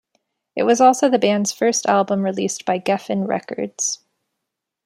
It was also the band's first album released by Geffen Records.